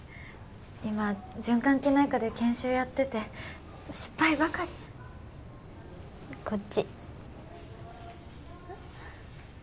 今循環器内科で研修やってて失敗ばかりシーッこっち